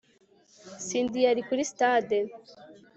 cindy yari kuri sitade